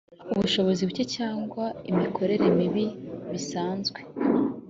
ubushobozi buke cyangwa imikorere mibi bisanzwe